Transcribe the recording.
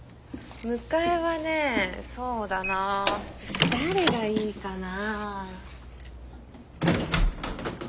迎えはねそうだな誰がいいかな？